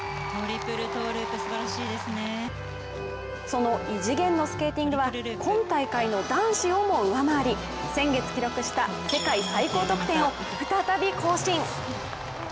その異次元のスケーティングは、今大会の男子をも上回り先月記録した世界最高得点を再び更新。